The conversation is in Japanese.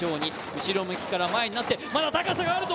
後ろ向きから前になってまだ高さがあるぞ